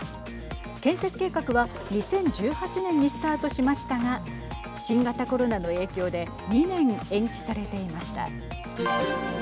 建設計画は２０１８年にスタートしましたが新型コロナの影響で２年延期されていました。